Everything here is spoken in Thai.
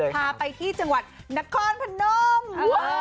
พาไปที่จังหวัดนักฮอล์พนม